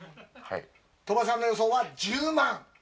鳥羽さんの予想は１０万。